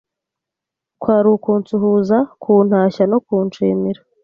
Kwari ukunsuhuza, kuntashya no kunshimira